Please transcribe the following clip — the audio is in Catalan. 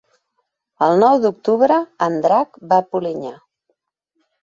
El nou d'octubre en Drac va a Polinyà.